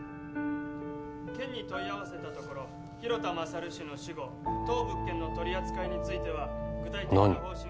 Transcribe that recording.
県に問い合わせたところ広田勝氏の死後当物件の取り扱いについては具体的な何？